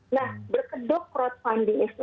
nah berkedok crowdfunding